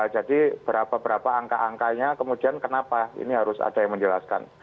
jadi berapa berapa angka angkanya kemudian kenapa ini harus ada yang menjelaskan